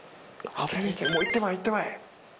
もう行ってまえ行ってまえ。